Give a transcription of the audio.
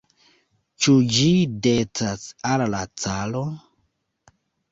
Ĉu ĝi decas al la caro?